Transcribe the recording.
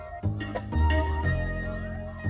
jujur di indonesia